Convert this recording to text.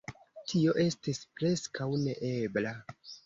Tio estis preskaŭ neebla!